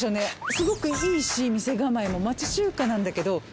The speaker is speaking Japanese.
すごくいいし店構えも町中華なんだけど。